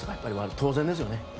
当然ですよね。